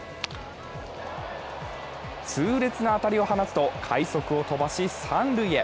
痛烈な当たりを放つと、快足を飛ばし三塁へ。